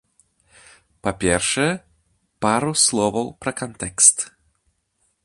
Па-першае, пару словаў пра кантэкст.